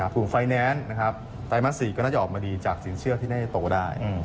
กลุ่มไฟแนนซ์ไตรมาสสีก็น่าจะออกมาดีจากสินเชื่อที่น่าจะโตได้